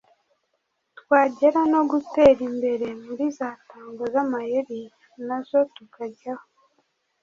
twagera no gutera imbere muri za tango z’ amayeri nazo tukaryaho”